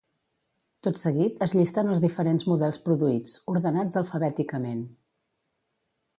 Tot seguit es llisten els diferents models produïts, ordenats alfabèticament.